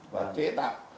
và chế tạo